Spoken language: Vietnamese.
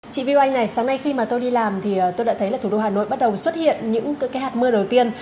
chị vi oanh này sáng nay khi mà tôi đi làm thì tôi đã thấy là thủ đô hà nội bắt đầu xuất hiện những cái hạt mưa đầu tiên